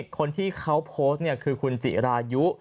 คนที่เขาโพสต์คือคุณจิรายุ